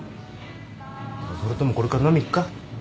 それともこれから飲み行くか？